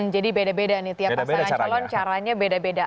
jadi beda beda nih tiap pasangan calon caranya beda beda